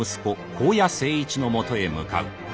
香屋清一のもとへ向かう。